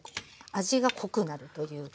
味が濃くなるというか。